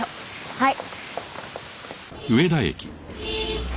はい。